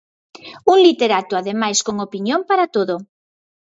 Un literato ademais con opinión para todo.